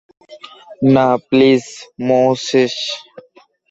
না, please, Moses.